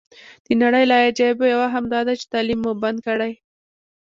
د نړۍ له عجایبو یوه هم داده چې تعلیم مو بند کړی.